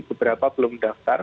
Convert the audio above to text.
beberapa belum mendaftar